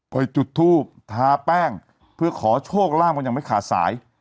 ไปจุดทูบทาแป้งเพื่อขอโชคลาบกันอย่างไม่ขาดสาย